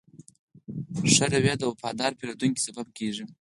ښه چلند د وفادار پیرودونکو سبب کېږي.